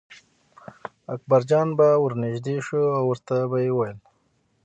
اکبرجان به ور نږدې شو او ورته به یې ویل.